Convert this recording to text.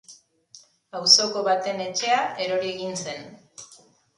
Auzoko baten etxea erori egin zen.